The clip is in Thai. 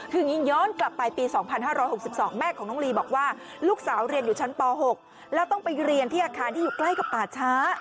คืออย่างนี้ย้อนกลับไปปี๒๕๖๒แม่ของน้องลีบอกว่าลูกสาวเรียนอยู่ชั้นป๖แล้วต้องไปเรียนที่อาคารที่อยู่ใกล้กับป่าช้า